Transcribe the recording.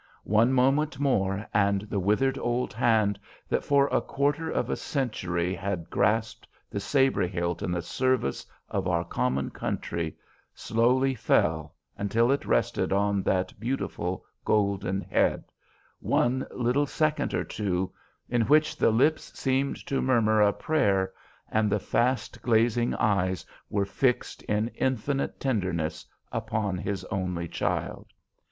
One moment more and the withered old hand that for quarter of a century had grasped the sabre hilt in the service of our common country slowly fell until it rested on that beautiful, golden head, one little second or two, in which the lips seemed to murmur a prayer and the fast glazing eyes were fixed in infinite tenderness upon his only child.